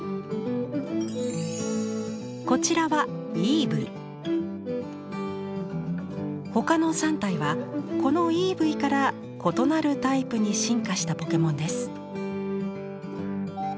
こちらは他の３体はこのイーブイから異なるタイプに進化したポケモンです。